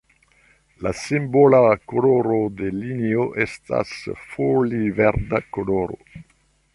La simbola koloro de linio estas foli-verda koloro.